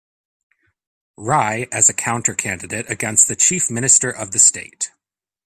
Rai as a counter-candidate against the Chief Minister of the state.